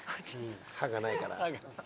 歯がないから。